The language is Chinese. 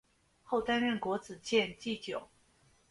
后担任国子监祭酒。